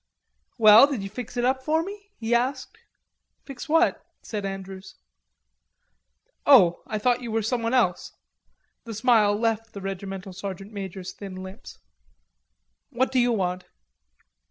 "Well, did you fix it up for me?" he asked. "Fix what?" said Andrews. "Oh, I thought you were someone else." The smile left the regimental sergeant major's thin lips. "What do you want?"